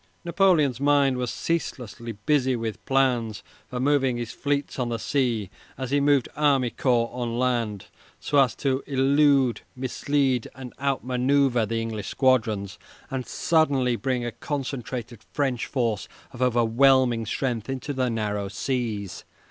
Napoleon's mind was ceaselessly busy with plans for moving his fleets on the sea as he moved army corps on land, so as to elude, mislead, and out manoeuvre the English squadrons, and suddenly bring a concentrated French force of overwhelming strength into the narrow seas.